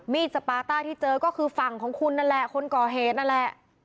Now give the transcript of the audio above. สปาต้าที่เจอก็คือฝั่งของคุณนั่นแหละคนก่อเหตุนั่นแหละ